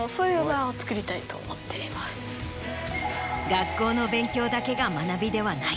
学校の勉強だけが学びではない。